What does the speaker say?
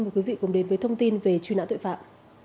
mời quý vị cùng đến với thông tin về truy nã tội phạm